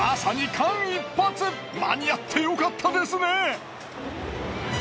間に合ってよかったですね。